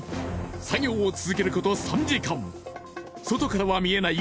作業を続けること３時間外からは見えない